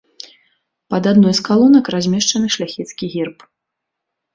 Пад адной з калонак размешчаны шляхецкі герб.